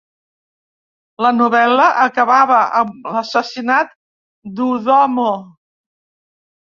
La novel·la acabava amb l'assassinat d'Udomo.